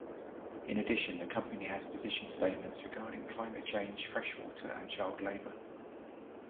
In addition, the company has position statements regarding climate change, freshwater and child labour.